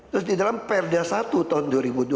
terus didalam perda satu tahun dua ribu dua belas